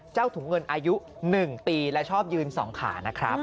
ถุงเงินอายุ๑ปีและชอบยืน๒ขานะครับ